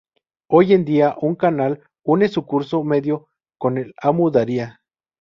Hoy en día, un canal une su curso medio con el Amu Daria.